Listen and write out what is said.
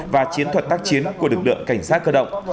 và chiến thuật tác chiến của lực lượng cảnh sát cơ động